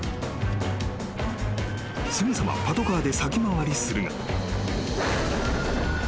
［すぐさまパトカーで先回りするが］